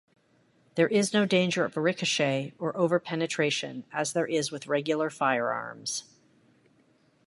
There is no danger of ricochet or over-penetration as there is with regular firearms.